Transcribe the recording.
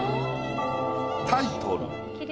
タイトル